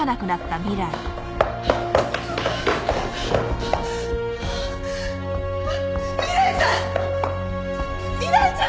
未来ちゃん！